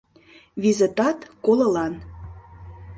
— Визытат колылан.